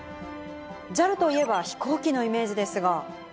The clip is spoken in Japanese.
ＪＡＬといえば飛行機のイメージですが。